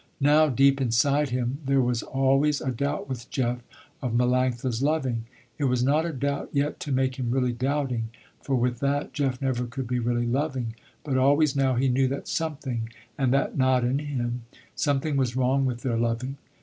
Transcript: Now, deep inside him, there was always a doubt with Jeff, of Melanctha's loving. It was not a doubt yet to make him really doubting, for with that, Jeff never could be really loving, but always now he knew that something, and that not in him, something was wrong with their loving.